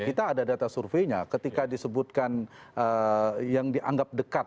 kita ada data surveinya ketika disebutkan yang dianggap dekat